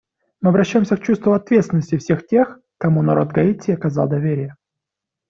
Мы обращаемся к чувству ответственности всех тех, кому народ Гаити оказал доверие.